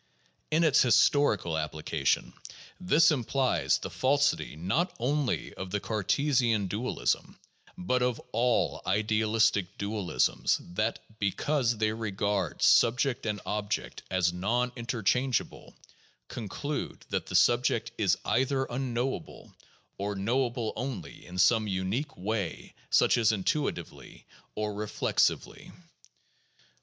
In its historical application, this implies the falsity not only of the Cartesian dualism, but of all idealistic dualisms that, because they regard subject and object as non interchangeable, conclude that the subject is either unknowable, or knowable only in some unique way such as intuitively or reflexively.